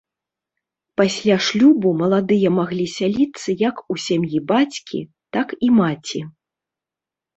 Пасля шлюбу маладыя маглі сяліцца як у сям'і бацькі, так і маці.